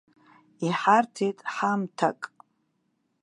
Иҳарҭеит ҳамҭак.